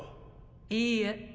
いいえ。